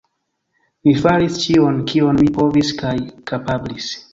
Mi faris ĉion, kion mi povis kaj kapablis.